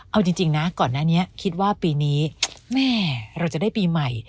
เอาจริงนะก่อนหน้านี้คิดว่าปีนี้แม่เราจะได้ปีใหม่